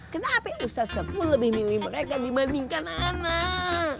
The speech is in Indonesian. kenapa usaha sepuluh lebih milih mereka dibandingkan anak